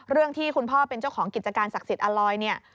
เรื่องที่คุณพ่อเป็นเจ้าของกิจการศักดิ์สิทธิอลอยเนี่ย